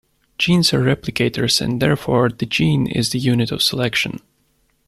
Genes are replicators and therefore the gene is the unit of selection.